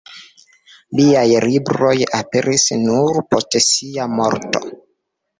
Liaj libroj aperis nur post sia morto.